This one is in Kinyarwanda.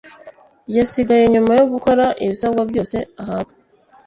yasigaye nyuma yo gukora ibisabwa byose ahabwa